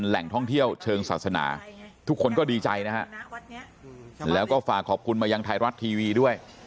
แหล่งท่องเที่ยวเชิงศาสนาทุกคนก็ดีใจนะฮะแล้วก็ฝากขอบคุณมายังไทยรัฐทีวีด้วย